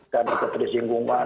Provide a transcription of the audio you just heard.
karena ketidakpun disinggungkan